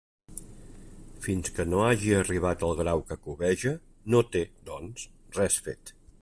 Fins que no hagi arribat al grau que cobeja, no té, doncs, res fet.